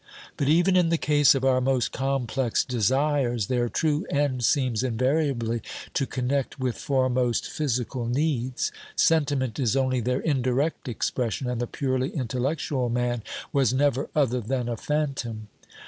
But even in the case of our most complex desires, their true end seems invariably to connect with foremost physical needs ; sentiment is only their indirect expression, and the purely intellectual man was never other than a phantom.